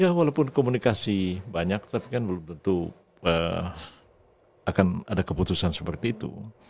ya walaupun komunikasi banyak tapi kan belum tentu akan ada keputusan seperti itu